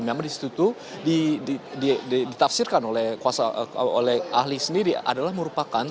jadi memang disitu ditafsirkan oleh ahli sendiri adalah merupakan